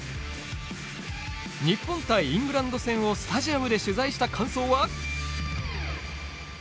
日本対イングランド戦をスタジアムで取材した感想は？